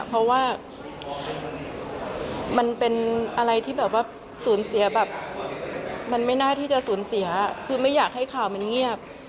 เพราะว่ามันเป็นอะไรที่แบบว่าสูญเสียแบบมันไม่น่าที่จะสูญเสียคือไม่อยากให้ข่าวมันเงียบ